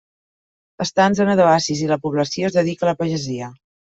Està en zona d'oasis i la població es dedica a la pagesia.